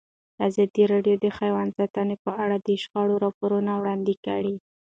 ازادي راډیو د حیوان ساتنه په اړه د شخړو راپورونه وړاندې کړي.